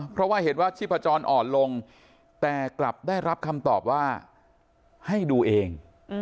เพราะว่าเห็นว่าชีพจรอ่อนลงแต่กลับได้รับคำตอบว่าให้ดูเอง